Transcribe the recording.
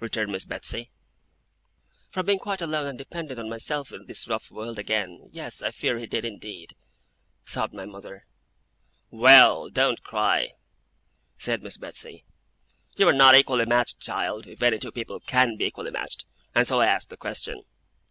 returned Miss Betsey. 'For being quite alone and dependent on myself in this rough world again, yes, I fear he did indeed,' sobbed my mother. 'Well! Don't cry!' said Miss Betsey. 'You were not equally matched, child if any two people can be equally matched and so I asked the question.